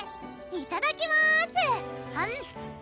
いただきまーす！